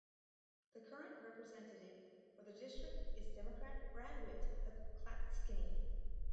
The current representative for the district is Democrat Brad Witt of Clatskanie.